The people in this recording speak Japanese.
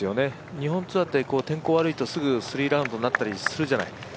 日本ツアーって天候悪いとすぐに３ラウンドになったりするじゃない？